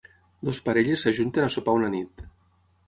Dues parelles s'ajunten a sopar una nit.